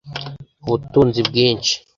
ubutunzi bwinshi